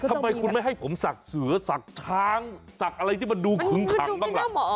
ทำไมคุณไม่ให้ผมสักเสือสักทางสักอะไรที่ว่ามันดูคึงคังบ้างละ